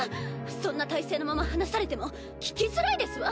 そんな体勢のまま話されても聞きづらいですわ。